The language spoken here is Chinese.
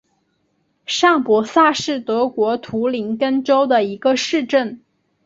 上伯萨是德国图林根州的一个市镇。